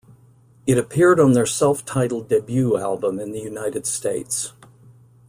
It appeared on their self-titled debut album in the United States.